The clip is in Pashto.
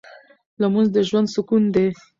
لمونځ د ژوند سکون دی.